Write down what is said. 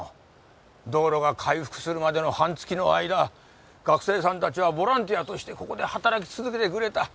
道路が回復するまでの半月の間学生さんたちはボランティアとしてここで働き続けてくれた。